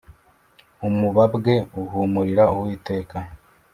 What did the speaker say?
umubabwe uhumurira Uwiteka